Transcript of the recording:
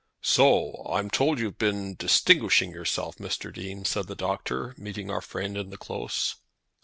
"So I'm told you've been distinguishing yourself, Mr. Dean," said the Doctor, meeting our friend in the close.